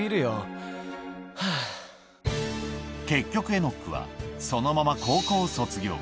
結局、エノックはそのまま高校を卒業。